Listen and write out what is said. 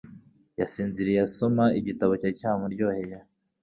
Yasinziriye asoma igitabo cyari cyamuryohanye.